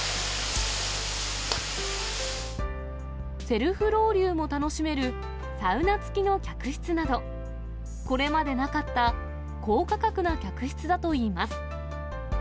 セルフロウリュも楽しめる、サウナ付きの客室など、これまでなかった高価格な客室だといいます。